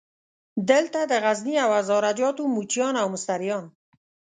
دلته د غزني او هزاره جاتو موچیان او مستریان.